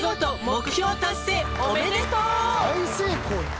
「おめでとう！」